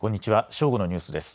正午のニュースです。